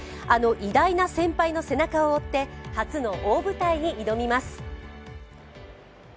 あの偉大な先輩の背中を追って初の大舞台に挑みます。